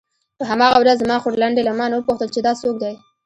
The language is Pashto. په هماغه ورځ زما خورلنډې له مانه وپوښتل چې دا څوک دی.